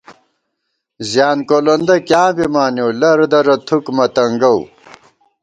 زیان کولوندہ کیاں بِمانېؤ لر درہ تھُک مہ تنگَؤ